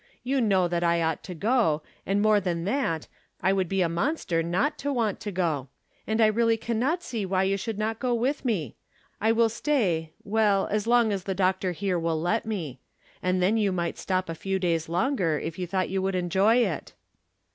You know that I ought to go ; and more than that, I would be a monster not to want to go. And I really can not see why you should not go with me. I wUl stay, well, as long as the doctor here will let me. And then you might stop a few days longer, if you thought you would enjoy it."